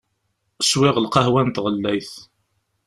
Swiɣ lqahwa n tɣellayt.